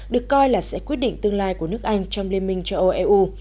được coi là sẽ quyết định tương lai của nước anh trong liên minh châu âu eu